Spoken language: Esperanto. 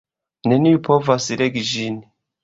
Neniu povas legi ĝin.